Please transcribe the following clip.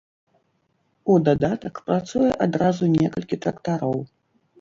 У дадатак працуе адразу некалькі трактароў.